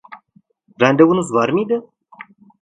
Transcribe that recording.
Randevunuz var mıydı?